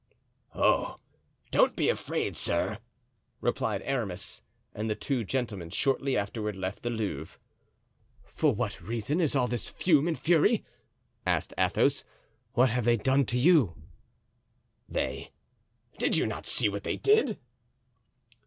"Oh, don't be afraid, sir," replied Aramis; and the two gentlemen shortly afterward left the Louvre. "For what reason is all this fume and fury?" asked Athos. "What have they done to you?" "They—did you not see what they did?"